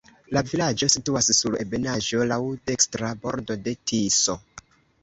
La vilaĝo situas sur ebenaĵo, laŭ dekstra bordo de Tiso.